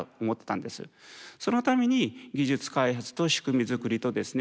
そのために技術開発と仕組みづくりとですね